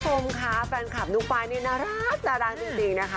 ขอบคุณค่ะแฟนคลับนุ๊กปลายนี่น่ารักน่ารักจริงนะคะ